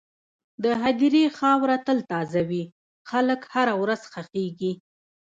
د هدیرې خاوره تل تازه وي، خلک هره ورځ ښخېږي.